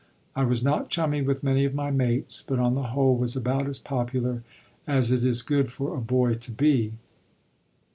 I was not chummy with many of my mates, but, on the whole, was about as popular as it is good for a boy to be.